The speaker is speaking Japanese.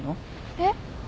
えっ。